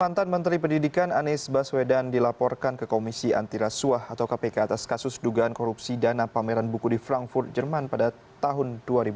mantan menteri pendidikan anies baswedan dilaporkan ke komisi antirasuah atau kpk atas kasus dugaan korupsi dana pameran buku di frankfurt jerman pada tahun dua ribu dua